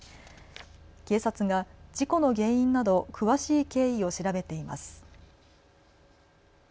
警察が事故の原因など詳しい経緯を調べています。